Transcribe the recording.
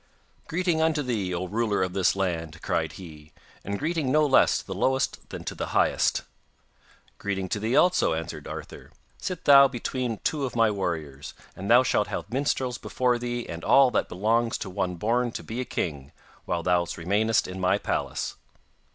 'Greeting unto thee, O ruler of this land,' cried he, 'and greeting no less to the lowest than to the highest.' 'Greeting to thee also,' answered Arthur. 'Sit thou between two of my warriors, and thou shalt have minstrels before thee and all that belongs to one born to be a king, while thou remainest in my palace.